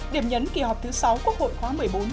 điểm nhấn kỳ họp thứ sáu quốc hội khóa một mươi bốn